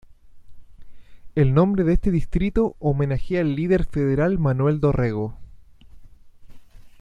El nombre de este distrito homenajea al líder federal Manuel Dorrego.